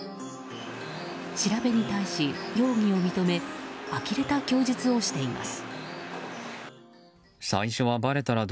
調べに対し容疑を認めあきれた供述をしています。